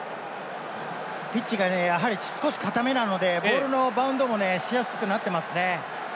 ピッチが少しかためなのでボールのバウンドもしやすくなっていますね。